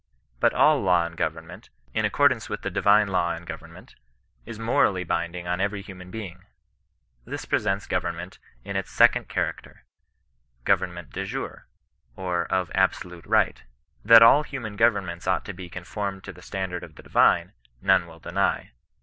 But all law and government, in accordance with the divine law and government, is morally binding on every human being. This presents government in its second charac ter ; government dejure, or of absolute right. That all human governments ought to be conformed to the stand ard of the divine, none will deny.